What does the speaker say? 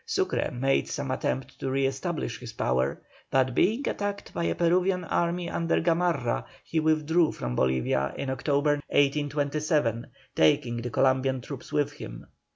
Sucre made some attempt to re establish his power, but being attacked by a Peruvian army under Gamarra, he withdrew from Bolivia in October, 1827, taking the Columbian troops with him.